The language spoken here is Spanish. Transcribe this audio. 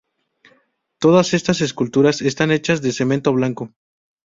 Todas estas esculturas están hechas de cemento blanco.